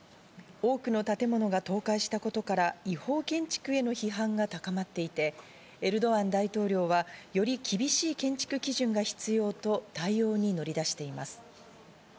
多くの建物が倒壊したことから、違法建築への批判が高まっていて、エルドアン大統領はより厳しい建築基準が必要と対応に乗り出しています。